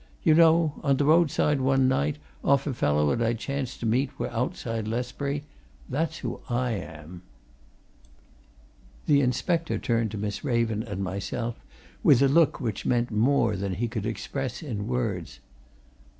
"You know on t' roadside one night, off a fellow 'at I chanced to meet wi' outside Lesbury. That's who I am!" The inspector turned to Miss Raven and myself with a look which meant more than he could express in words.